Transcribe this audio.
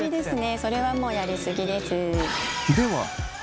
それはもうやり過ぎです。